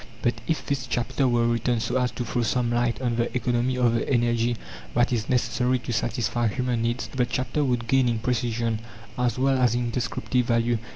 But if this chapter were written so as to throw some light on the economy of the energy that is necessary to satisfy human needs, the chapter would gain in precision, as well as in descriptive value.